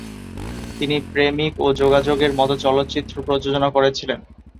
তিনি "প্রেমিক" ও "যোগাযোগ" এর মত চলচ্চিত্র প্রযোজনা করেছিলেন।